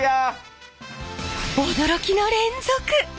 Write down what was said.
驚きの連続！